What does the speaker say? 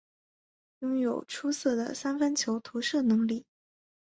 拥有出色的三分球投射能力。